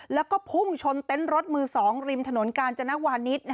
แล้วก็พุ่งชนเต็นต์รถมือ๒ริมถนนกาญจนวานิส